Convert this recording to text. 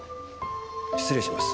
失礼します。